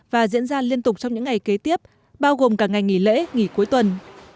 và diễn ra liên tục trong những ngày kế tiếp bao gồm cả ngày nghỉ lễ nghỉ cuối tuần